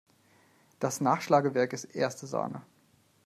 Das Nachschlagewerk ist erste Sahne!